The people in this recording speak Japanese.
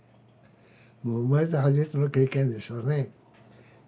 生まれて初めての経験でしたね